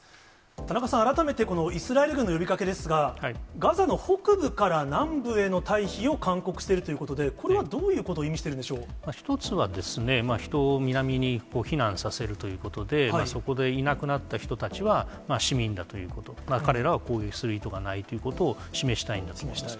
田中さん、改めてこのイスラエル軍の呼びかけですが、ガザの北部から南部への退避を勧告しているということで、これはどういうこ一つはですね、人を南に避難させるということで、そこでいなくなった人たちは、市民だということ、彼らは攻撃する意図がないということを示したいんだと思います。